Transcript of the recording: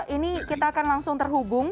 ini kita akan langsung terhubung